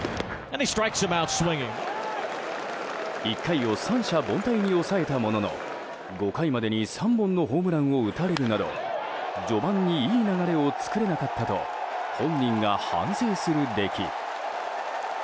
１回を三者凡退に抑えたものの５回までに３本のホームランを打たれるなど序盤にいい流れを作れなかったと本人が反省する出来。